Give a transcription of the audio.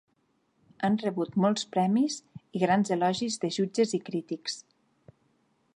Han rebut molts premis, i grans elogis de jutges i crítics.